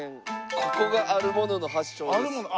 ここがあるものの発祥です。